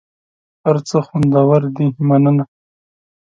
هر څه خوندور دي مننه .